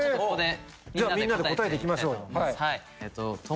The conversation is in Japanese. みんなで答えて行きましょうよ。